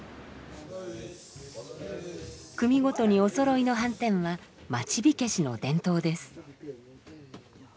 組ごとにおそろいの半纏は町火消しの伝統です。